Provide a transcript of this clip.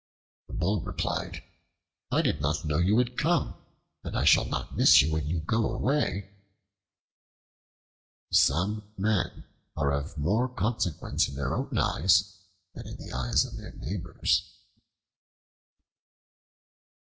The Bull replied, "I did not know you had come, and I shall not miss you when you go away." Some men are of more consequence in their own eyes than in the eyes of their neighbors.